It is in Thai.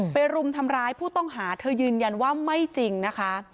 รุมทำร้ายผู้ต้องหาเธอยืนยันว่าไม่จริงนะคะ